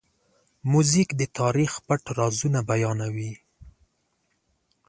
موزیک د تاریخ پټ رازونه بیانوي.